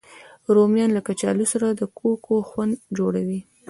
رومیان له کچالو سره د کوکو خوند جوړوي